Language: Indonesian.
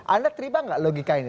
anda terima nggak logika ini